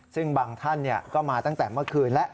ซึ่งบางท่านก็มาตั้งแต่เมื่อคืนแล้ว